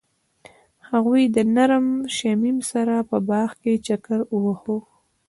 هغوی د نرم شمیم سره په باغ کې چکر وواهه.